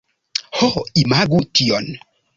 Ho, imagu tion!